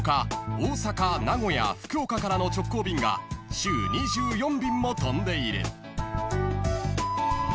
大阪名古屋福岡からの直行便が週２４便も飛んでいる］